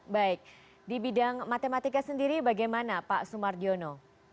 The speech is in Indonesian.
baik di bidang matematika sendiri bagaimana pak sumardiono